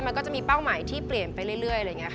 มันก็จะมีเป้าหมายที่เปลี่ยนไปเรื่อย